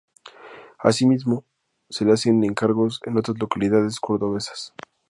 Asimismo, se le hacen encargos en otras localidades cordobesas.